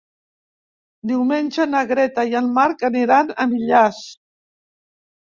Diumenge na Greta i en Marc aniran a Millars.